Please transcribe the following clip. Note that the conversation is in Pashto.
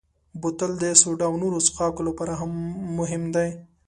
بوتل د سوډا او نورو څښاکو لپاره مهم دی.